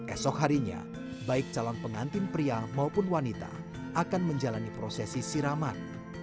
esok harinya baik calon pengantin pria maupun wanita akan menjalani prosesi siraman